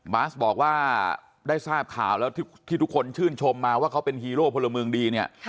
บาสบอกว่าได้ทราบข่าวแล้วที่ทุกคนชื่นชมมาว่าเขาเป็นฮีโร่พลเมืองดีเนี่ย